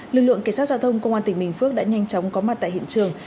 lưu lượng kỳ sát giao thông công an tỉnh bình phước đã nhanh chóng có mặt tại hiện trường